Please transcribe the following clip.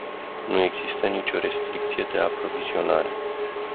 Nu există nicio restricție de aprovizionare.